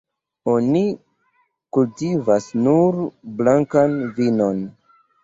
Oni kultivas nur blankan vinon.